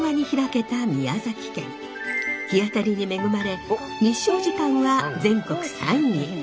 日当たりに恵まれ日照時間は全国３位。